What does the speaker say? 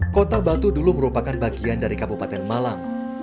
kota batu dulu merupakan bagian dari kabupaten malang